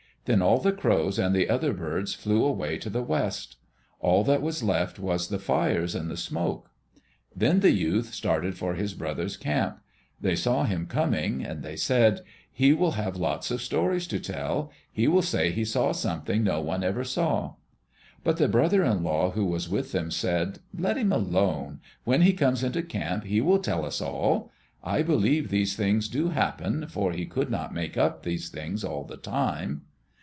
Then all the crows and the other birds flew away to the west. All that was left was the fires and the smoke. Then the youth started for his brothers' camp. They saw him coming. They said, "He will have lots of stories to tell. He will say he saw something no one ever saw." But the brother in law who was with them said, "Let him alone. When he comes into camp he will tell us all. I believe these things do happen for he could not make up these things all the time."